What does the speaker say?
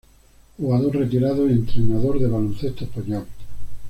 Jugador retirado y entrenador de baloncesto español.